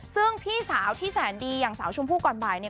ซึ่งพี่สาวที่แสนดีอย่างสาวชมพู่ก่อนบ่ายเนี่ย